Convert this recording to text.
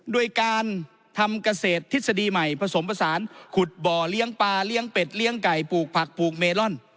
โดยการทำเกษตรทฤษฎีใหม่ผสมผสานขุดบ่อเลี้ยงปลาเลี้ยงเป็ดเลี้ยงไก่ปลูกผักปลูกเมลอน